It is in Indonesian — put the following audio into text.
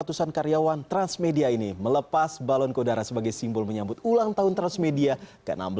ratusan karyawan transmedia ini melepas balon kodara sebagai simbol menyambut ulang tahun transmedia ke enam belas